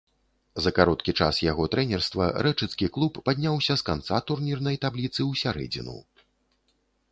За кароткі час яго трэнерства рэчыцкі клуб падняўся з канца турнірнай табліцы ў сярэдзіну.